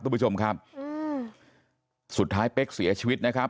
คุณผู้ชมครับอืมสุดท้ายเป๊กเสียชีวิตนะครับ